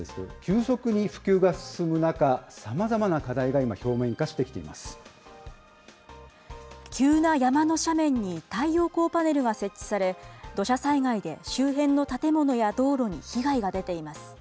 太陽光発電ですけれども、急速に普及が進む中、さまざまな課題が急な山の斜面に太陽光パネルが設置され、土砂災害で周辺の建物や道路に被害が出ています。